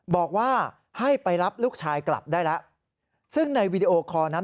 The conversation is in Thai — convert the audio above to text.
บอกว่าให้ไปรับลูกชายกลับได้แล้วซึ่งในวีดีโอคอร์นั้น